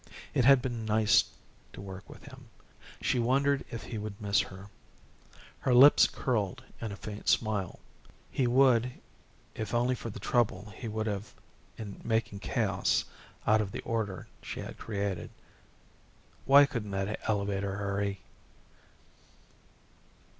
It had been nice to work with him. She wondered if he would miss her. Her lips curled in a faint smile. He would, if only for the trouble he would have in making chaos out of the order she had created. Why couldn't that elevator hurry?